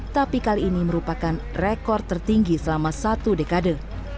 tapi kali ini merupakan rekor tertinggi selama satu dekade